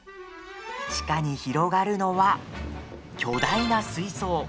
地下に広がるのは巨大な水槽。